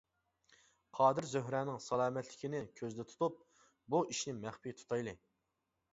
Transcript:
-قادىر زۆھرەنىڭ سالامەتلىكىنى كۆزدە تۇتۇپ بۇ ئىشنى مەخپىي تۇتايلى.